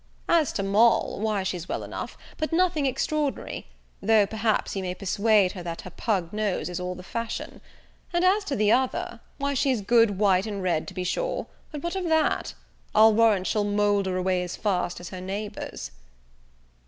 As to Moll, why she's well enough, but nothing extraordinary; though, perhaps, you may persuade her that her pug nose is all the fashion; and as to the other, why she's good white and red to be sure; but what of that? I'll warrant she'll moulder away as fast as her neighbours."